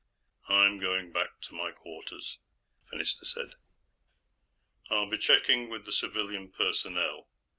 "I'm going back to my quarters," Fennister said. "I'll be checking with the civilian personnel.